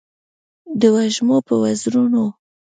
د وږمو په وزرونو